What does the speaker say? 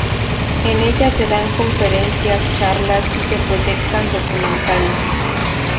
En ella se dan conferencias, charlas y se proyectan documentales.